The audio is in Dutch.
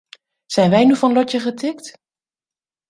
Zijn wij nu van lotje getikt?